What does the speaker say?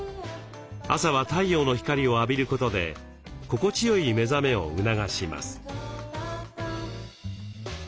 朝は太陽の光を浴びることで心地よい目覚めを促します。